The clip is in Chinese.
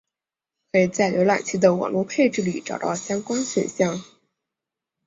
可以在浏览器的网络配置里找到相关选项。